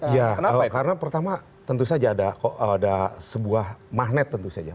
ya karena pertama tentu saja ada sebuah magnet tentu saja